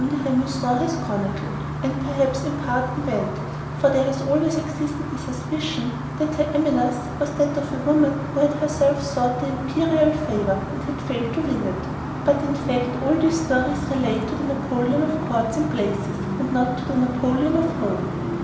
de Remusat has chronicled and perhaps in part invented, for there has always existed the suspicion that her animus was that of a woman who had herself sought the imperial favor and had failed to win it. But, in fact, all these stories relate to the Napoleon of courts and palaces, and not to the Napoleon of home.